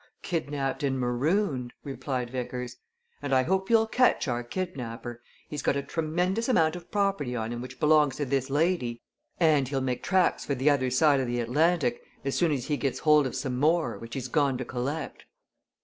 "Kidnapped and marooned," replied Vickers. "And I hope you'll catch our kidnapper he's got a tremendous amount of property on him which belongs to this lady, and he'll make tracks for the other side of the Atlantic as soon as he gets hold of some more which he's gone to collect."